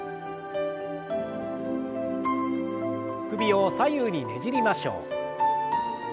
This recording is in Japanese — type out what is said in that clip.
首を左右にねじりましょう。